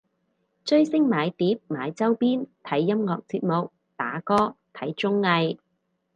追星買碟買周邊睇音樂節目打歌睇綜藝